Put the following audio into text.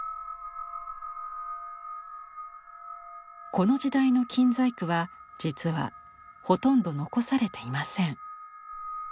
この時代の金細工は実はほとんど残されていません。